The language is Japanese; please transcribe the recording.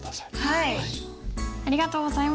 はい。